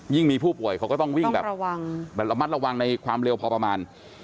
ยิ่งมีผู้ป่วยเขาก็ต้องมัดระวังในความเร็วพอประมาณ